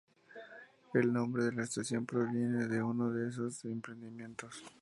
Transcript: El nombre de la estación proviene de uno de esos emprendimientos.